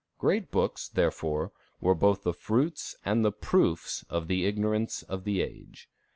Great books, therefore, were both the fruits and the proofs of the ignorance of the age.